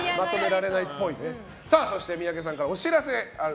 そして、三宅さんからお知らせがあると。